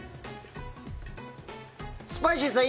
スパイシーさん